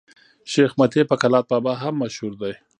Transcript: شېخ متي په کلات بابا هم مشهور دئ.